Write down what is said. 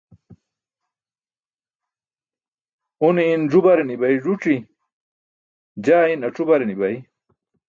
Une in ẓu-bare ni̇bay ẓuci, jaa in ac̣u-bare ni̇bay.